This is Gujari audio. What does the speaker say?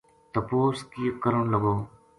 تپوس کرن لگو